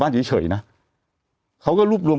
แต่หนูจะเอากับน้องเขามาแต่ว่า